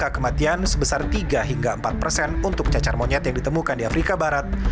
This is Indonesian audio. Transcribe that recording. angka kematian sebesar tiga hingga empat persen untuk cacar monyet yang ditemukan di afrika barat